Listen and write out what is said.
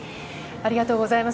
ありがとうございます。